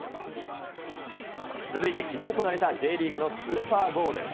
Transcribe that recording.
続いてきのう行われたＪリーグのスーパーゴール。